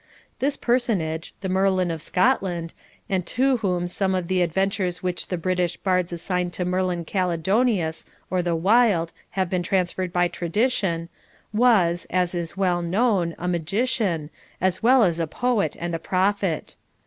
This personage, the Merlin of Scotland, and to whom some of the adventures which the British bards assigned to Merlin Caledonius, or the Wild, have been transferred by tradition, was, as is well known, a magician, as well as a poet and prophet.